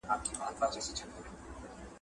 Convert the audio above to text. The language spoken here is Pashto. تر ټولو لوی درد باله